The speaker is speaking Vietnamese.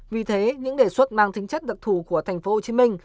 vì thế những đề xuất mang tính chất đặc thù của thành phố hồ chí minh